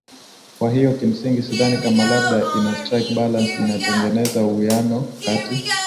kwa hiyo kimsingi sidhani kama labda ina strike balance inategeneza uwiano kati